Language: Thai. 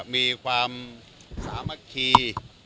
มีความสามัคคี